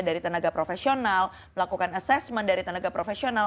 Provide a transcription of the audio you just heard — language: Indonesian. dari tenaga profesional melakukan assessment dari tenaga profesional